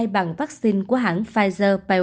bằng vaccine của hãng